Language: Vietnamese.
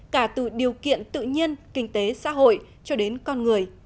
cả từ điều kiện tự nhiên kinh tế xã hội cho đến con người